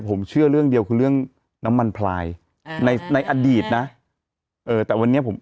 ผมเชื่อเรื่องเดียวคือเรื่องน้ำมันพลายอ่าในในอดีตนะเออแต่วันนี้ผม